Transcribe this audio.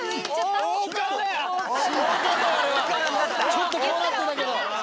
ちょっとこうなってたけど。